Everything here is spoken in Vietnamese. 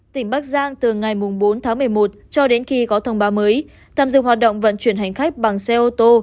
tỉnh bắc giang từ ngày bốn một mươi một cho đến khi có thông báo mới tạm dừng hoạt động vận chuyển hành khách bằng xe ô tô